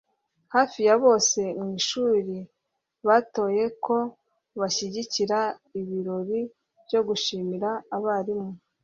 Hafi ya bose mu ishuri batoye ko bashyigikira ibirori byo gushimira abarimu